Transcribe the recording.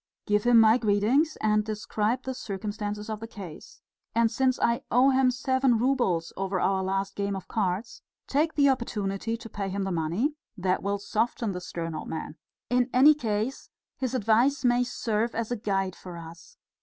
Give him my greetings and describe the circumstances of the case. And since I owe him seven roubles over our last game of cards, take the opportunity to pay him the money; that will soften the stern old man. In any case his advice may serve as a guide for us.